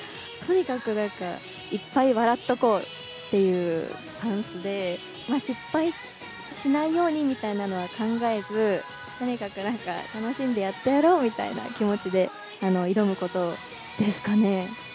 とにかくなんかいっぱい笑っとこうというスタンスで、失敗しないようにみたいなのは考えず、とにかくなんか、楽しんでやってやろうみたいな気持ちで挑むことですかね。